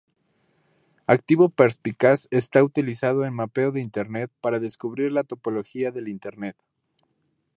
Activo perspicaz está utilizado en mapeo de internet para descubrir la topología del Internet.